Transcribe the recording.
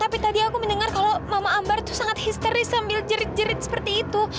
tapi tadi aku mendengar kalau mama ambar itu sangat histeris sambil jerik jerit seperti itu